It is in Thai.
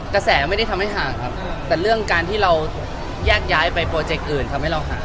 กระแสไม่ได้ทำให้ห่างครับแต่เรื่องการที่เราแยกย้ายไปโปรเจกต์อื่นทำให้เราห่าง